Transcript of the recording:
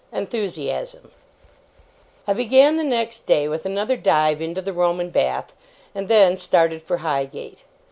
ENTHUSIASM I began the next day with another dive into the Roman bath, and then started for Highgate.